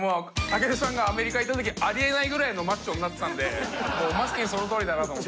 尊さんがアメリカ行った時ありえないぐらいのマッチョになってたんでまさにそのとおりだなと思って。